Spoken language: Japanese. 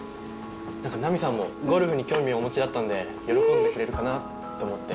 ナミさんもゴルフに興味をお持ちだったので喜んでくれるかなと思って。